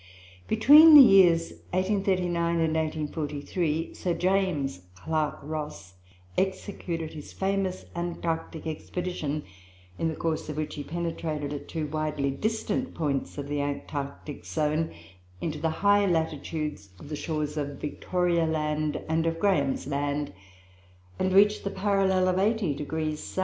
Between the years 1839 and 1843, Sir James Clark Ross executed his famous Antarctic expedition, in the course of which he penetrated, at two widely distant points of the Antarctic zone, into the high latitudes of the shores of Victoria Land and of Graham's Land, and reached the parallel of 80° S.